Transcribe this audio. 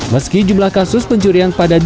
meski jumlah kasus pencurian pada dua ribu dua puluh